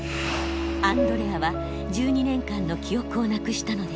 アンドレアは１２年間の記憶をなくしたのです。